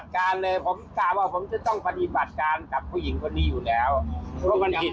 เขาก็ออกไปเลยไปเลยไปเลยก็ทิ้งลุงไปอยู่ข้างนั้นเลย